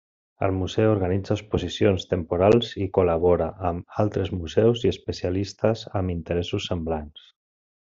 El museu organitza exposicions temporals i col·labora amb altres museus i especialistes amb interessos semblants.